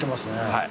はい。